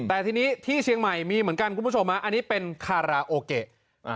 แต่ทีนี้ที่เชียงใหม่มีเหมือนกันคุณผู้ชมอันนี้เป็นคาราโอเกะ